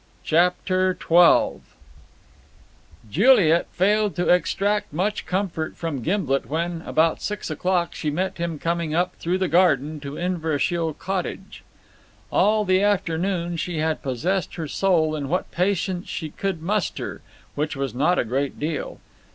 CHAPTER XII Juliet failed to extract much comfort from Gimblet when, about six o'clock, she met him coming up through the garden to Inverashiel Cottage. All the afternoon she had possessed her soul in what patience she could muster, which was not a great deal.